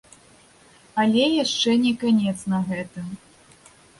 Але яшчэ не канец на гэтым.